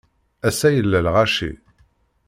Ass-a, yella lɣaci.